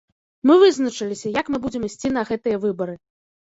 Мы вызначыліся, як мы будзем ісці на гэтыя выбары.